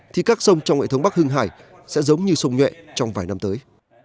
thì các sông trong hệ thống bắc hưng hải sẽ giống như sông nhuệ trong vài năm tới